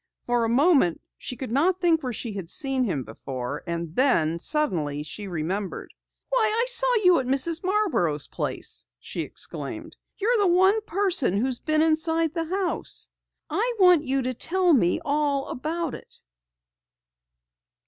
For a moment she could not think where she had seen him before. And then suddenly she remembered. "Why, I saw you at Mrs. Marborough's place!" she exclaimed. "You're the one person who has been inside the house! I want you to tell me all about it."